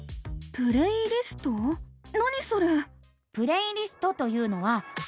何それ？